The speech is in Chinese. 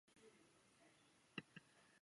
香港城市大学讲座教授。